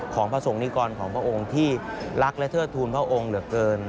พระสงคิกรของพระองค์ที่รักและเทิดทูลพระองค์เหลือเกิน